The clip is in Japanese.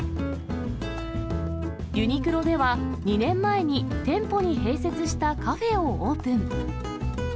ユニクロでは、２年前に店舗に併設したカフェをオープン。